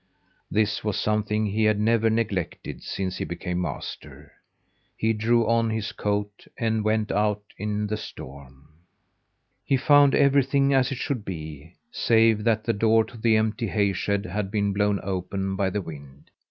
This was something he had never neglected since he became master. He drew on his coat and went out in the storm. He found everything as it should be, save that the door to the empty hay shed had been blown open by the wind.